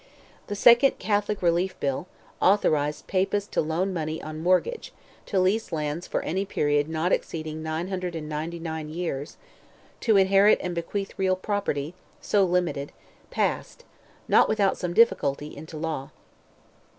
The second Catholic relief bill, authorizing Papists to loan money on mortgage, to lease lands for any period not exceeding 999 years—to inherit and bequeath real property, so limited, passed, not without some difficulty, into law.